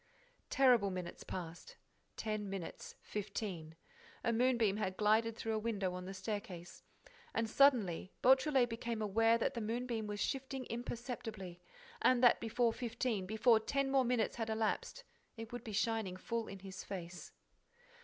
Terrible minutes passed: ten minutes, fifteen. A moonbeam had glided through a window on the staircase. And, suddenly, Beautrelet became aware that the moonbeam was shifting imperceptibly, and that, before fifteen, before ten more minutes had elapsed, it would be shining full in his face.